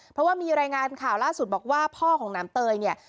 เพราะว่ามีรายงานข่าวล่าสุดบอกว่าพ่อของน้ำเตยเนี่ย